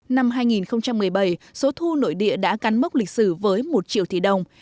năm hai nghìn một mươi bảy số thu nội địa đã cắn mốc lịch sử với một triệu tỷ đồng